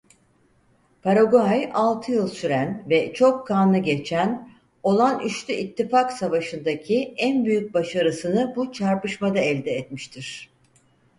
Paraguay altı yıl süren ve çok kanlı geçen olan Üçlü İttifak Savaşı'ndaki en büyük başarısını bu çarpışmada elde etmiştir.